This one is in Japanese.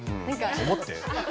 思って。